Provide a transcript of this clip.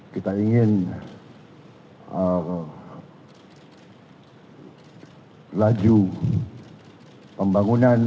kita ingin laju pembangunan